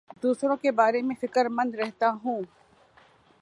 دوسروں کے بارے میں فکر مند رہتا ہوں